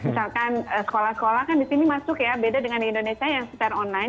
misalkan sekolah sekolah kan di sini masuk ya beda dengan indonesia yang secara online